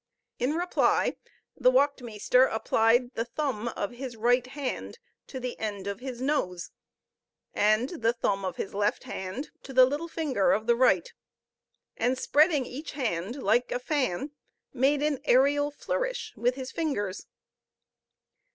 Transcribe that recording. In reply, the wacht meester applied the thumb of his right hand to the end of his nose, and the thumb of the left hand to the little finger of the right, and spreading each hand like a fan, made an aerial flourish with his fingers.